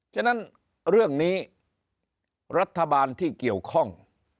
ฉะนั้นเรื่องนี้รัฐบาลที่เกี่ยวข้อง